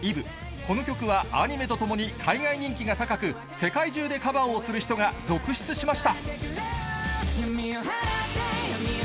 この曲はアニメとともに海外人気が高く、世界中でカバーをする人が続出しました。